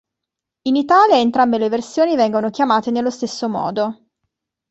In Italia entrambe le versioni vengono chiamate nello stesso modo.